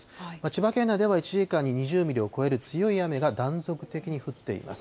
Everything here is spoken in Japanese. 千葉県内では１時間に２０ミリを超える強い雨が断続的に降っています。